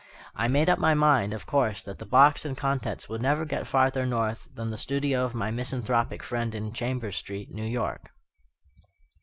I made up my mind, of course, that the box and contents would never get farther north than the studio of my misanthropic friend in Chambers Street, New York.